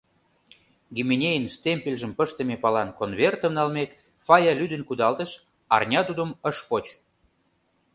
«Гименейын» штемпельжым пыштыме палан конвертым налмек, Фая лӱдын кудалтыш, арня тудым ыш поч.